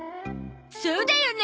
そうだよね！